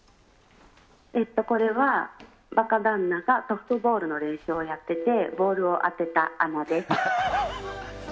これは、バカ旦那がソフトボールの練習をやっててボールを当てた穴です。